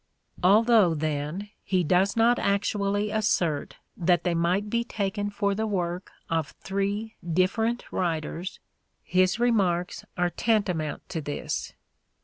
Although, then, he does not actually THE STRATFORDIAN VIEW 51 assert that they might be taken for the work of three different writers, his remarks are tantamount to this.